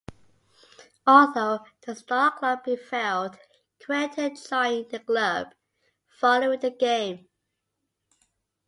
Although the Star Club prevailed, Creighton joined their club following the game.